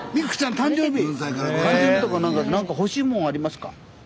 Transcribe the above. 誕生日とか何か欲しいもんありますか？